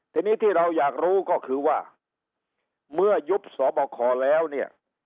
ทีนี้ที่เราอยากรู้ก็คือว่าเมื่อยุบสบคแล้วเนี่ย